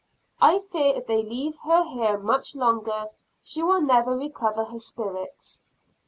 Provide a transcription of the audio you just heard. I fear if they leave her here much longer she will never recover her spirits.